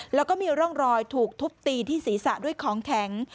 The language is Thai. แล้วก็มีร่องรอยถูกทุบตีที่ศีรษะด้วยของแข็ง